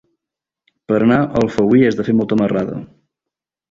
Per anar a Alfauir has de fer molta marrada.